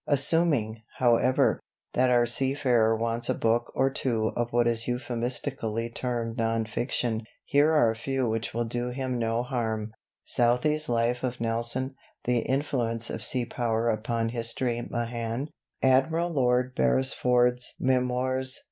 "Assuming, however, that our seafarer wants a book or two of what is euphemistically termed 'non fiction,' here are a few which will do him no harm: "Southey's 'Life of Nelson.' "'The Influence of Sea Power Upon History,' Mahan. "Admiral Lord Beresford's 'Memoirs.'